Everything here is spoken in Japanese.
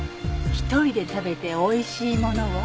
「一人で食べておいしいものは」。